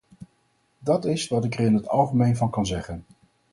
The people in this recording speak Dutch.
Dat is wat ik er in het algemeen van kan zeggen.